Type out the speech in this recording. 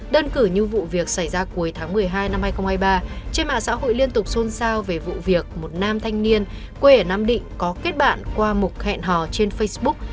đơn cử như vụ việc xảy ra cuối tháng một mươi hai năm hai nghìn hai mươi ba trên mạng xã hội liên tục xôn xao về vụ việc một nam thanh niên quê ở nam định có kết bạn qua mục hẹn hò trên facebook